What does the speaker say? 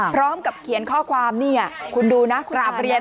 พร้อมกับเขียนข้อความนี่คุณดูนะกราบเรียน